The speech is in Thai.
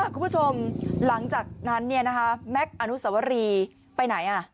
คุณผู้ชมหลังจากนั้นแม็กซ์อนุสวรีไปไหน